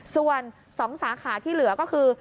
ส่วน๒สาขาที่เหลือก็คือ